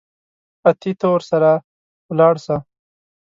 اتې ته ورسره ولاړ سه.